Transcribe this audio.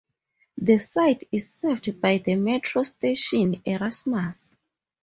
This site is served by the metro station: Erasmus.